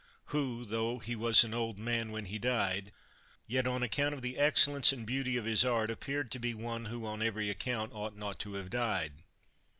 who, tho he was an old man when he died, yet, on account of the excellence and beauty of his art, appeared to be one who on every account ought not to have died.